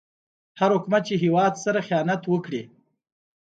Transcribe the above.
هر حکومت چې هيواد سره خيانت وکړي